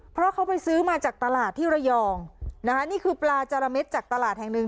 เพราะเขาไปซื้อมาจากตลาดที่ระยองนะคะนี่คือปลาจาระเม็ดจากตลาดแห่งหนึ่ง